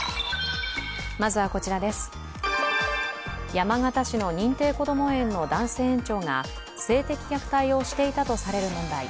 山形市の認定こども園の男性園長が性的虐待をしていたとされる問題。